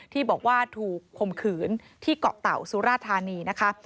ที่บอกว่าถูกคมขืนที่เกาะเต่าสุราธานีนะคะ